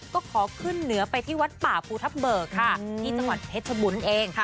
ก็ขอขึ้นเหนือไปที่วัดป่าภูทับเบิกค่ะที่จังหวัดเพชรบูรณ์เอง